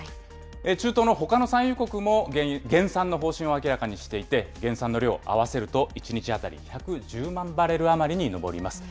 中東のほかの産油国も、減産の方針を明らかにしていて、減産の量、合わせると１日当たり１１０万バレル余りに上ります。